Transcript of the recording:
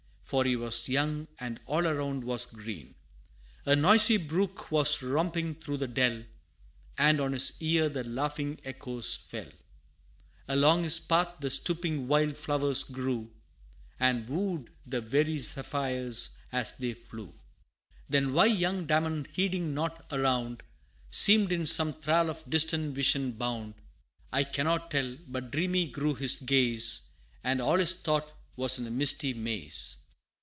For he was young, and all around was green: A noisy brook was romping through the dell, And on his ear the laughing echoes fell: Along his path the stooping wild flowers grew, And woo'd the very zephyrs as they flew. Then why young Damon, heeding nought around, Seemed in some thrall of distant vision bound, I cannot tell but dreamy grew his gaze, And all his thought was in a misty maze.